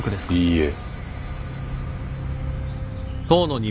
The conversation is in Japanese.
いいえ。